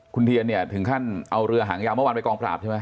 คุณเทียนเนี่ยถึงขั้นเอาเรือหางยาวเมื่อวานไปกองปราบใช่ไหม